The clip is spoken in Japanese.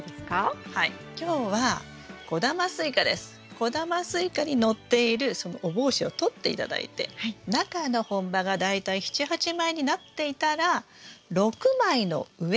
小玉スイカに載っているそのお帽子を取って頂いて中の本葉が大体７８枚になっていたら６枚の上のところで摘心